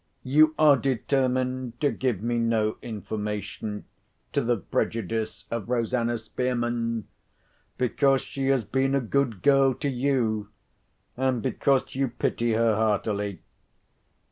You are determined to give me no information to the prejudice of Rosanna Spearman, because she has been a good girl to you, and because you pity her heartily.